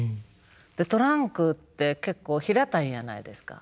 トランクって結構平たいやないですか。